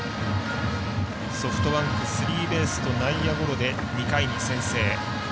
ソフトバンクスリーベースと内野ゴロで２回に先制。